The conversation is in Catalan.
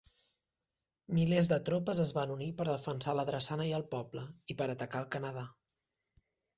Milers de tropes es van unir per defensar la drassana i el poble, i per atacar el Canadà.